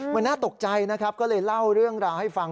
มันน่าตกใจนะครับก็เลยเล่าเรื่องราวให้ฟัง